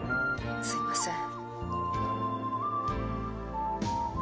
すいません。